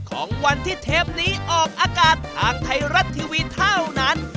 ของวันที่เทปนี้ออกอากาศทางไทยรัฐทีวีเท่านั้น